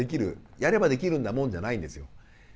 やればできるんだもんじゃないんですよ。